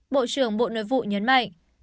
bộ trưởng bộ nội vụ nhấn mạnh